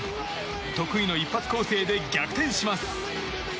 得意の一発攻勢で逆転します。